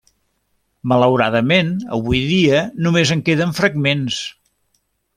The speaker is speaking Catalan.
Malauradament avui dia només en queden fragments.